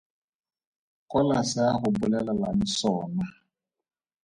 Kwala se a go bolelelang sona.